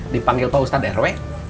dipanggil pak ustad rw